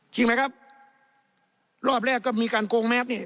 จริงไหมครับรอบแรกก็มีการโกงแมสนี่